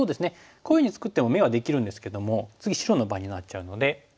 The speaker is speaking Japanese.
こういうふうに作っても眼はできるんですけども次白の番になっちゃうので。